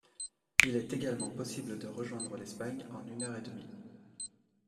Il est également possible de rejoindre l’Espagne en une heure et demie.